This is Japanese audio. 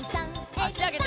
あしあげて。